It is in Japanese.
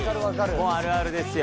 もうあるあるですよ